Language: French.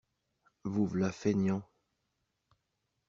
Vous v'là feignants!